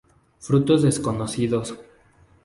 Frutos desconocidos.